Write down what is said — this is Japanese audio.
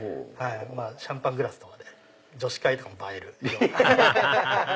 シャンパングラスとかで女子会とかも映えるような。